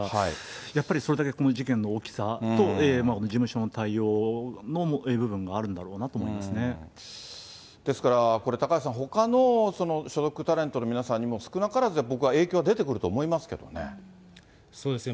やっぱりそれだけこの事件の大きさと、事務所の対応の部分があるですからこれ、高橋さん、ほかの所属タレントの皆さんにも、少なからず僕は影響出てくると思そうですね。